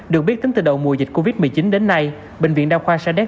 được biết tính từ đầu mùa dịch covid một mươi chín đến nay bệnh viện đa khoa sadek